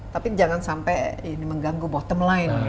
tapi jangan sampai ini mengganggu bottom line